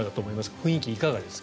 雰囲気、いかがですか？